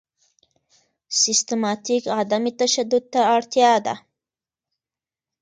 سیستماتیک عدم تشدد ته اړتیا ده.